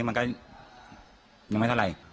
มันก็ยังไม่เท่าไหร่